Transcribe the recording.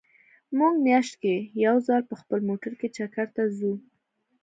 مونږ مياشت کې يو ځل په خپل موټر کې چکر ته ځو